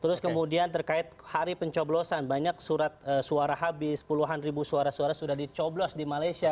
terus kemudian terkait hari pencoblosan banyak surat suara habis puluhan ribu suara suara sudah dicoblos di malaysia